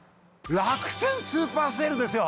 楽天スーパーＳＡＬＥですよ！